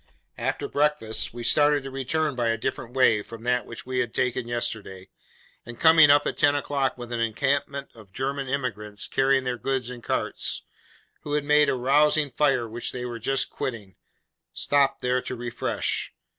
After breakfast, we started to return by a different way from that which we had taken yesterday, and coming up at ten o'clock with an encampment of German emigrants carrying their goods in carts, who had made a rousing fire which they were just quitting, stopped there to refresh.